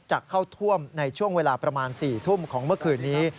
จะเข้าท่วมในช่วงเวลาประมาณ๔ทุ่มของเมื่อคืนนี้